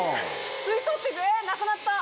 吸い取ってくなくなった。